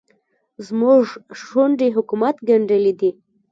زموږ شونډې حکومت ګنډلې دي.